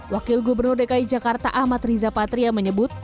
wakil gubernur dki jakarta ahmad riza patria menyebut